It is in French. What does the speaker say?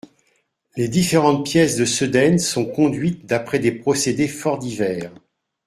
Les différentes pièces de Sedaine sont conduites d’après des procédés fort divers.